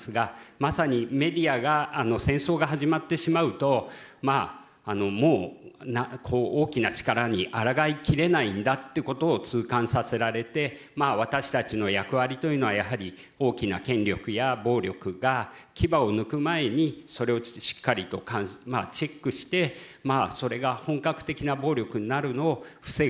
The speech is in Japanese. まさにメディアが戦争が始まってしまうとまあもう大きな力にあらがい切れないんだっていうことを痛感させられて私たちの役割というのはやはり大きな権力や暴力が牙をむく前にそれをしっかりとチェックしてそれが本格的な暴力になるのを防ぐ。